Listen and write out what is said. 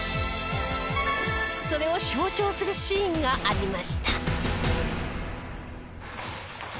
それを象徴するシーンがありました。